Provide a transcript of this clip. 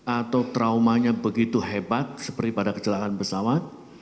atau traumanya begitu hebat seperti pada kecelakaan pesawat